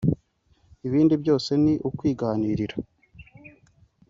ibindi byose ni ukwiganirira